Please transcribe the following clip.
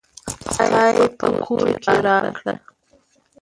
خداى په کور کې راکړه